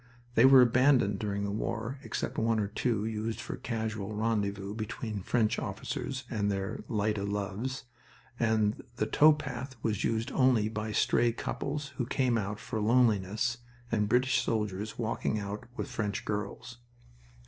They were abandoned during the war, except one or two used for casual rendezvous between French officers and their light o' loves, and the tow path was used only by stray couples who came out for loneliness, and British soldiers walking out with French girls.